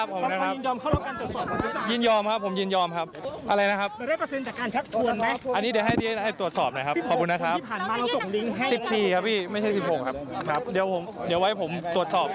ขอบคุณนะครับขอบคุณนะครับยืนยอมครับผมยืนยอมครับ